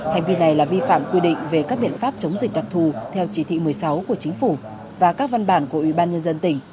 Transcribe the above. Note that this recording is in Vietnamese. hành vi này là vi phạm quy định về các biện pháp chống dịch đặc thù theo chỉ thị một mươi sáu của chính phủ và các văn bản của ủy ban nhân dân tỉnh